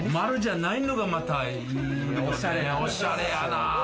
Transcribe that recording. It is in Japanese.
おしゃれやな！